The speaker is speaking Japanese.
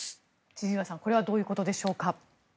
千々岩さん、これはどういうことでしょうか。